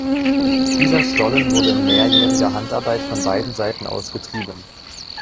Dieser Stollen wurde in mehrjähriger Handarbeit von beiden Seiten aus getrieben.